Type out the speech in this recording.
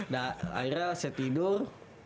nah akhirnya saya tidur